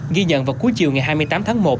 ghi nhận vào cuối chiều ngày hai mươi tám tháng một